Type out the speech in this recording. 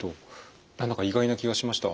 何だか意外な気がしました。